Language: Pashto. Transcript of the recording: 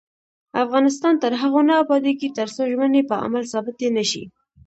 افغانستان تر هغو نه ابادیږي، ترڅو ژمنې په عمل ثابتې نشي.